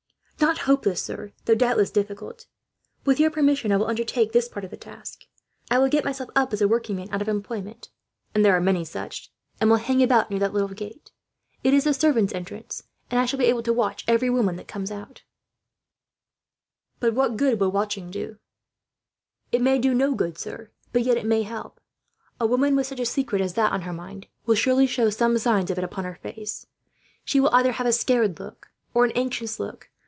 "Not hopeless, sir, though doubtless difficult. With your permission, I will undertake this part of the task. I will get myself up as a workman out of employment and there are many such and will hang about near that little gate. It is the servants' entrance, and I shall be able to watch every woman that comes out." "But what good will watching do?" "It may do no good, sir, but yet it may help. A woman, with such a secret as that on her mind, will surely show some signs of it upon her face. She will either have a scared look, or an anxious look.